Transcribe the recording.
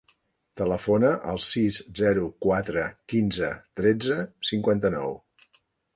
Telefona al sis, zero, quatre, quinze, tretze, cinquanta-nou.